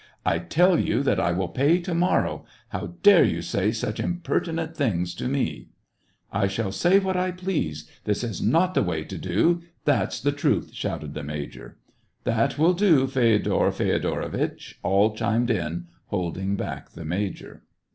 *' I tell you that I will pay to morrow ; how dare you say such impertinent things to me t "I shall say what I please ! This is not the way to do — that's the truth !" shouted the major. " That will do, Feodor Feodoritch !" all chimed in, holding back the major.